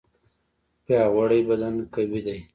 پیاوړی بدن قوي دی.